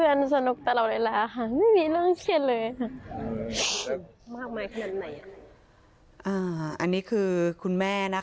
อันนี้คือคุณแม่นะคะ